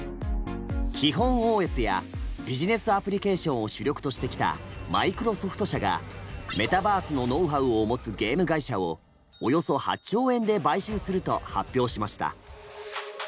基本ＯＳやビジネスアプリケーションを主力としてきたマイクロソフト社がメタバースのノウハウを持つゲーム会社をおよそ８兆円で買収すると発表しました。